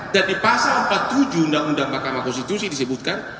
dan di pasal empat puluh tujuh undang undang mahkamah konstitusi disebutkan